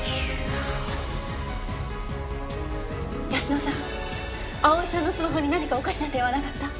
泰乃さん蒼さんのスマホに何かおかしな点はなかった？